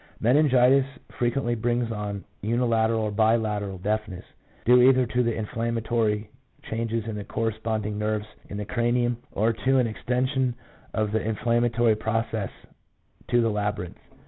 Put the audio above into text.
Meningitis frequently brings on unilateral or bila teral deafness, due either to the inflammatory changes in the corresponding nerves in the cranium, or to an extension of the inflammatory process to the labyrinth.